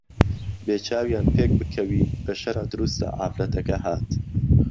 بێ چاویان پێک پکهوی به شەرع دروسته عافرهتهکههات